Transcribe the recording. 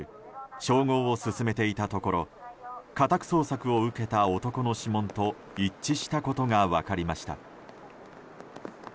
照合を進めていたところ家宅捜索を受けた男の指紋と一致したことが分かりました。